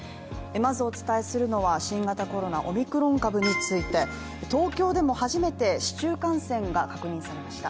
まずお伝えするのは新型コロナオミクロン株について、東京でも初めて市中感染が確認されました。